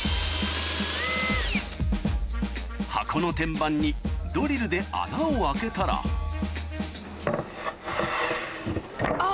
箱の天板にドリルで穴を開けたらあぁ